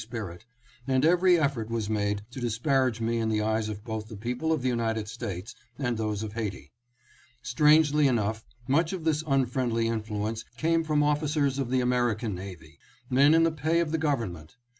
725 spirit, and every effort was made to disparage me in the eyes of both the people of the United States and those of Haiti. Strangely enough, much of this unfriendly influence came from officers of the American navy ; men in the pay of the government.